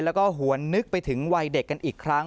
แล้วก็หวนนึกไปถึงวัยเด็กกันอีกครั้ง